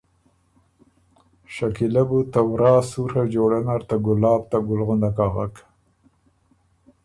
شکیلۀ بُو ته ورا سُوڒه جوړۀ نر ته ګلاب ته ګُل غندک اغک۔